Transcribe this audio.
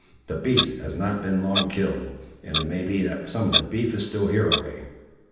The beast has not been long killed, and it may be that some of the beef is still hereaway."